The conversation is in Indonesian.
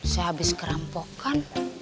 saya abis kerampokan